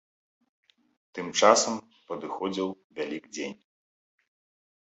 Тым часам падыходзіў вялікдзень.